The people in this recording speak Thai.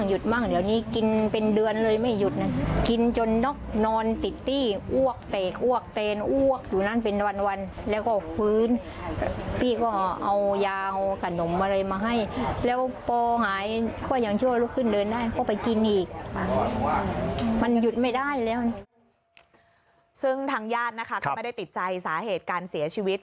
ซึ่งทางญาตินะคะก็ไม่ได้ติดใจสาเหตุการเสียชีวิต